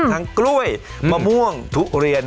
กล้วยมะม่วงทุเรียน